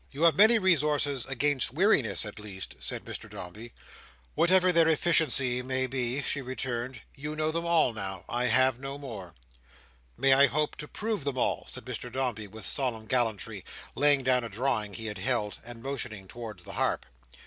"You have many resources against weariness at least," said Mr Dombey. "Whatever their efficiency may be," she returned, "you know them all now. I have no more." "May I hope to prove them all?" said Mr Dombey, with solemn gallantry, laying down a drawing he had held, and motioning towards the harp.